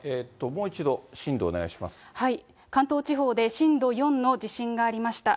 もう一度、関東地方で震度４の地震がありました。